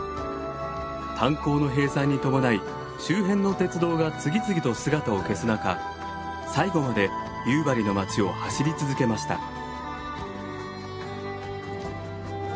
炭鉱の閉鎖に伴い周辺の鉄道が次々と姿を消す中最後まで夕張の町を走り続けました。